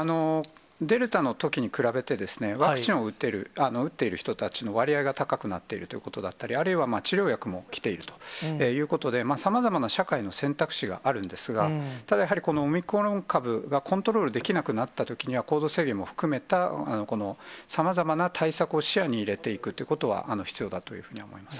デルタのときに比べて、ワクチンを打っている人たちの割合が高くなっているということだったり、あるいは治療薬もきているということで、さまざまな社会の選択肢があるんですが、ただやはり、このオミクロン株がコントロールできなくなったときには、行動制限も含めた、このさまざまな対策を視野に入れていくということは、必要だというふうに思います。